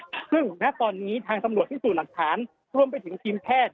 ซึ่งแม้ตอนนี้ทางสำรวจที่สูญหลักฐานร่วมไปถึงทีมแพทย์